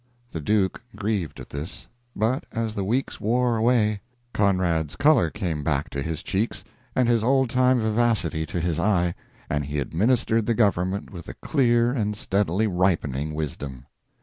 The Duke grieved at this. But as the weeks wore away, Conrad's color came back to his cheeks and his old time vivacity to his eye, and he administered the government with a clear and steadily ripening wisdom.